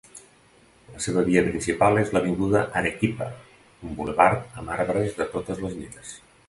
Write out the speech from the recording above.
La seva via principal és l'Avinguda Arequipa, un bulevard amb arbres de totes les mides.